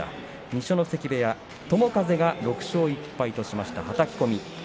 二所ノ関部屋、友風が６勝１敗としました、はたき込み。